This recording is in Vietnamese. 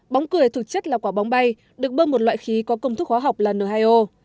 bóng cười thực chất là quả bóng bay được bơm một loại khí có công thức hóa học là n hai o